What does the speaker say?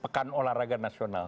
pekan olahraga nasional